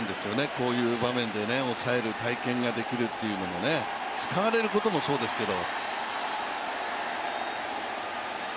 こういう場面で抑える体験ができるというのもね、使われることもそうですけど。